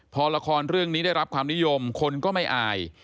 พอละครเรื่องนี้ได้รับความนิยมคนก็ไม่อาย